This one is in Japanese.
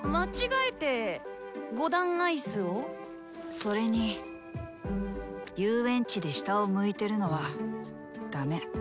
それに遊園地で下を向いてるのはだめ。